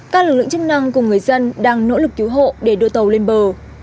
các lực lượng chức năng cùng người dân đang nỗ lực cứu hộ để đưa tàu lên bờ